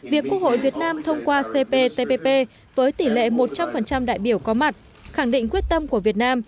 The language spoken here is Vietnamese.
việc quốc hội việt nam thông qua cptpp với tỷ lệ một trăm linh đại biểu có mặt khẳng định quyết tâm của việt nam